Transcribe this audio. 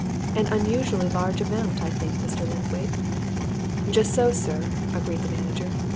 An unusually large amount, I think, Mr. Linthwaite?" "Just so, sir," agreed the manager.